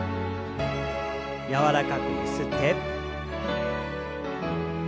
柔らかくゆすって。